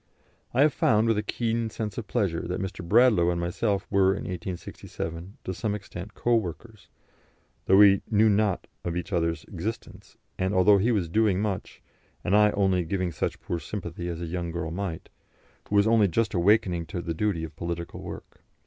I have found, with a keen sense of pleasure, that Mr. Bradlaugh and myself were in 1867 to some extent co workers, although we knew not of each other's existence, and although he was doing much, and I only giving such poor sympathy as a young girl might, who was only just awakening to the duty of political work.